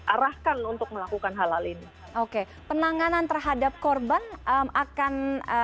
arahkan untuk melakukan hal hal ini oke penanganan terhadap korban akan